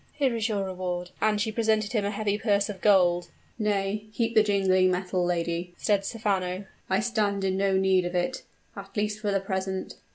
"Here is your reward," and she presented him a heavy purse of gold. "Nay, keep the jingling metal, lady," said Stephano; "I stand in no need of it at least for the present.